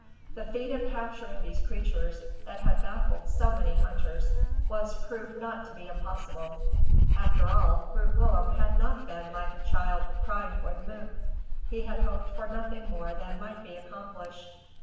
The feat of capturing these creatures, that had baffled so many hunters, was proved not to be impossible. After all, Groot Willem had not been like a child crying for the moon. He had hoped for nothing more than might be accomplished.